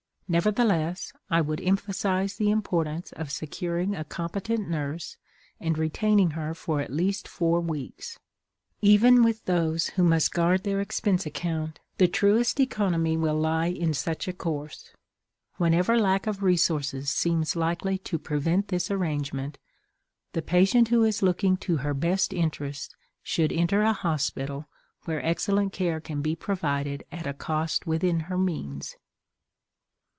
Nevertheless, I would emphasize the importance of securing a competent nurse and retaining her for at least four weeks. Even with those who must guard their expense account the truest economy will lie in such a course. Whenever lack of resources seems likely to prevent this arrangement, the patient who is looking to her best interests should enter a hospital where excellent care can be provided at a cost within her means.